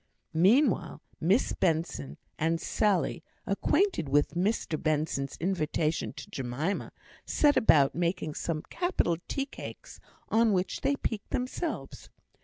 Meanwhile Miss Benson and Sally, acquainted with Mr Benson's invitation to Jemima, set about making some capital tea cakes on which they piqued themselves.